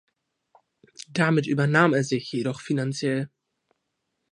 Damit übernahm er sich jedoch finanziell.